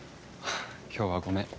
今日はごめん。